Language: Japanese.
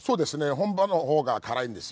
本場の方が辛いんですよ。